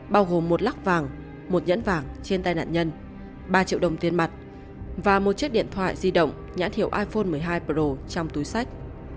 bao gồm một lắc vàng một nhẫn vàng trên tay nạn nhân ba triệu đồng tiền mặt và một chiếc điện thoại di động nhãn hiệu iphone một mươi hai pro trong túi sách